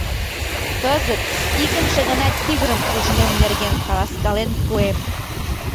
Кызыт икымше гана тигрым ужмем нерген каласкален пуэм.